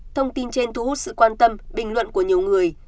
thông tin trên thu hút sự quan tâm bình luận của nhiều người